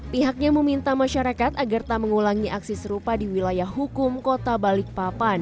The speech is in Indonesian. pihaknya meminta masyarakat agar tak mengulangi aksi serupa di wilayah hukum kota balikpapan